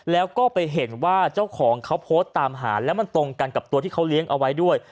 แล้วก็ไปเห็นว่าเจ้าของเขาโพสต์ตามหาแล้วมันตรงกันกับตัวที่เขาเลี้ยงเอาไว้ด้วย